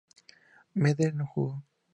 Medel no jugó.